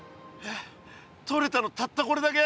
とれたのたったこれだけ？